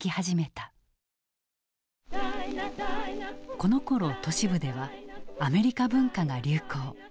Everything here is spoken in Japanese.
このころ都市部ではアメリカ文化が流行。